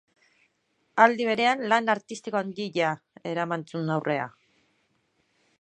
Aldi berean lan artistiko handia eraman zuen aurrera.